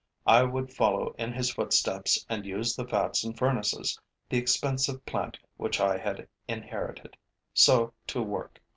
I would follow in his footsteps and use the vats and furnaces, the expensive plant which I had inherited. So to work.